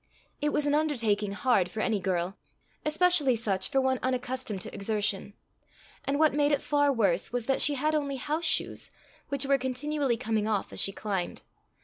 It was an undertaking hard for any girl, especially such for one unaccustomed to exertion; and what made it far worse was that she had only house shoes, which were continually coming off as she climbed.